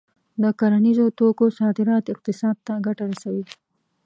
د کرنیزو توکو صادرات اقتصاد ته ګټه رسوي.